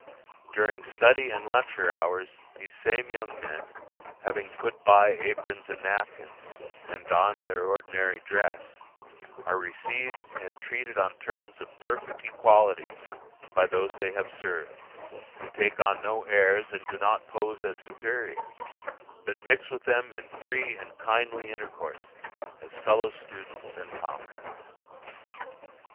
During study and lecture hours these same young men, having put by aprons and napkins, and donned their ordinary dress, are received and treated on terms of perfect equality by those they have served, who take on no airs, and do not pose as superiors, but mix with them in free and kindly intercourse as fellow students and comrades.